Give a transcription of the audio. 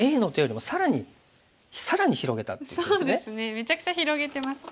めちゃくちゃ広げてますね。